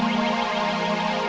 jangan suka mandok